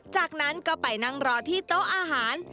จากนั้นก็ไปนั่งรอที่โต๊ะอาหาร